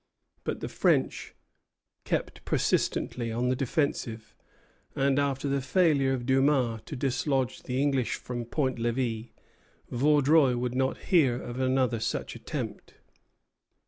But the French kept persistently on the defensive; and after the failure of Dumas to dislodge the English from Point Levi, Vaudreuil would not hear of another such attempt.